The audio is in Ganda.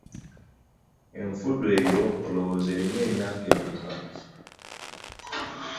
Enfudu eyo olowooza erina emyaka emeka?